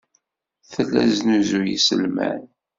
Tella tesnuzuy iselman.